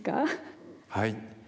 はい。